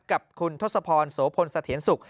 กับคุณทศพรโสพลสะเทียนสุข